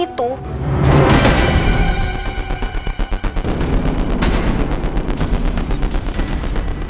itu sebenernya gak ada yang bisa dikira